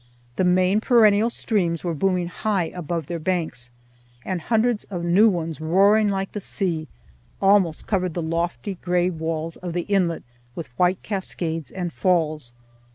The main perennial streams were booming high above their banks, and hundreds of new ones, roaring like the sea, almost covered the lofty gray walls of the inlet with white cascades and falls.